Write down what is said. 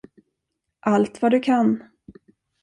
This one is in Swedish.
Allt vad du kan.